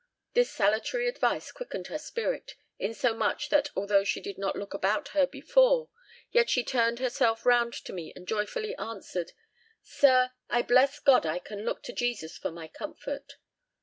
This salutary advice quickened her spirit, insomuch that although she did not look about her before, yet she turned herself round to me and joyfully answered, 'Sir, I bless God I can look to Jesus for my comfort!'